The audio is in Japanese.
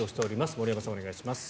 森山さん、お願いします。